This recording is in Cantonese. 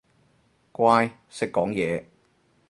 乖，識講嘢